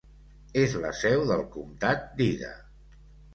És la seu del comtat d'Ida.